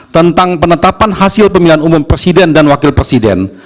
tentang penetapan hasil pemilihan umum presiden dan wakil presiden